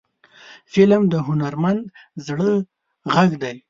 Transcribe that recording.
فلم د هنرمند زړه غږ دی